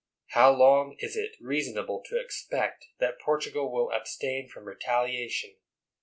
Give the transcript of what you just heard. How long is it reasonable to expect that Portugal will abstain from retalia tion?